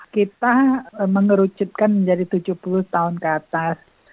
kita mengerucutkan menjadi tujuh puluh tahun ke atas